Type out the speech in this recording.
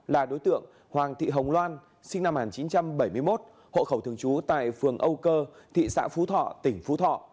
là đối tượng hoàng thị hồng loan sinh năm một nghìn chín trăm bảy mươi một hộ khẩu thường trú tại phường âu cơ thị xã phú thọ tỉnh phú thọ